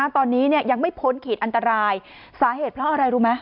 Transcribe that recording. ตอนนี้ยังไม่พ้นขีดอันตรายสาเหตุเพราะอะไรรู้ไหม